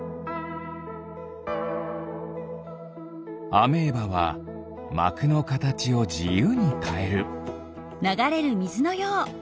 アメーバはまくのかたちをじゆうにかえる。